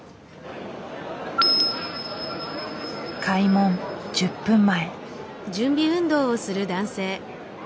開門１０分前。